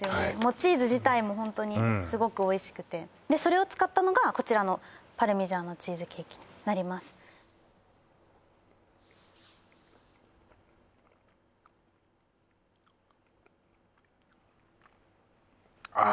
チーズ自体もホントにすごくおいしくてでそれを使ったのがこちらのパルミジャーノチーズケーキになりますああ